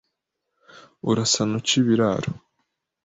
Urasana uca ibiraro